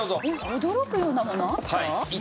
驚くようなものあった？